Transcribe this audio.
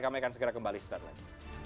kami akan segera kembali setelah ini